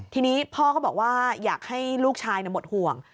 ทีนี้พ่อก็บอกว่าอยากให้ลูกชายหมดห่วง